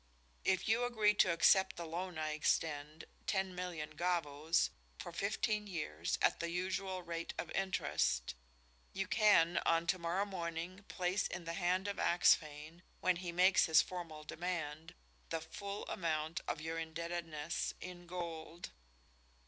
If you agree to accept the loan I extend, ten million gavvos for fifteen years at the usual rate of interest, you can on to morrow morning place in the hand of Axphain when he makes his formal demand the full amount of your indebtedness in gold.